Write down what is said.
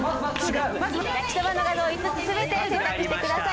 焼きそばの画像を５つ全て選択してください。